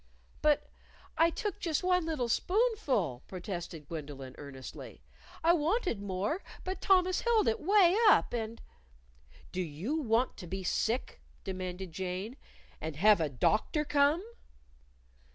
"But I took just one little spoonful," protested Gwendolyn, earnestly. "I wanted more, but Thomas held it 'way up, and " "Do you want to be sick?" demanded Jane. "And have a doctor come?"